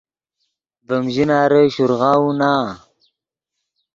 ڤیم ژناری شورغاؤو نا